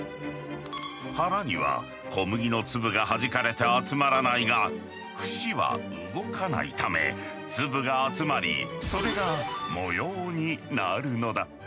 「腹」には小麦の粒がはじかれて集まらないが「節」は動かないため粒が集まりそれが模様になるのだ。